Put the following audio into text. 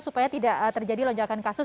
supaya tidak terjadi lonjakan kasus